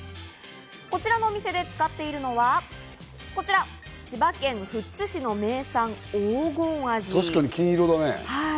こちらのお店で使っているのは千葉県富津市の名産・黄金アジ。